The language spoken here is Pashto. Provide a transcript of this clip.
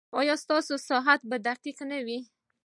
ایا ستاسو ساعت به دقیق نه وي؟